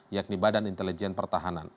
yakni badan intelijen pertahanan